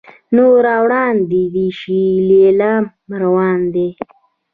نو را وړاندې دې شي لیلام روان دی.